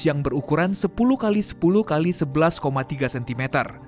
yang berukuran sepuluh x sepuluh x sebelas tiga cm